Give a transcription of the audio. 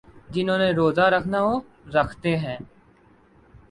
جنہوں نے روزہ رکھنا ہو رکھتے ہیں۔